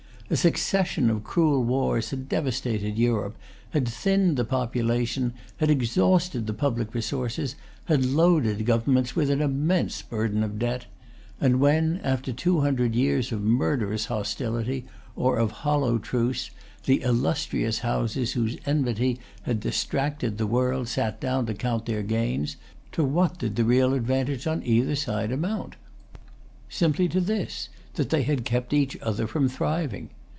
A succession of cruel wars had devastated Europe, had thinned the population, had exhausted the public resources, had loaded governments with an immense burden of debt; and when, after two hundred years of murderous hostility or of hollow truce,[Pg 296] the illustrious Houses whose enmity had distracted the world sat down to count their gains, to what did the real advantage on either side amount? Simply to this, that they had kept each other from thriving.